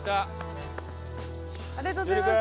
ありがとうございます。